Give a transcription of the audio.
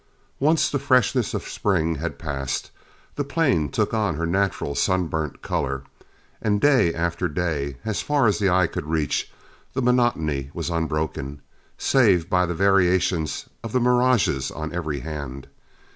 Once the freshness of spring had passed, the plain took on her natural sunburnt color, and day after day, as far as the eye could reach, the monotony was unbroken, save by the variations of the mirages on every hand.